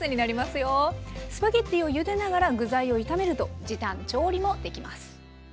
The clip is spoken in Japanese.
スパゲッティをゆでながら具材を炒めると時短調理もできます。